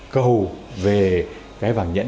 cầu về cái vàng nhẫn